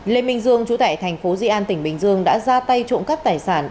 lê minh dương chú tại thành phố di an tỉnh bình dương đã ra tay trộm cắp tài sản